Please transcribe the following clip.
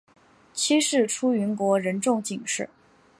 妻是出云国人众井氏。